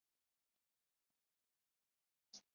垂直风切变的持续影响使系统的深对流消散殆尽。